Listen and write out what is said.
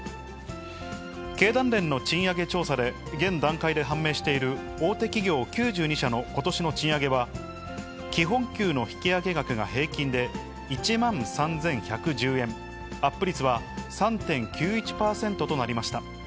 経団連の賃上げ調査で、現段階で判明している大手企業９２社のことしの賃上げは、基本給の引き上げ額が平均で１万３１１０円、アップ率は３．９１％となりました。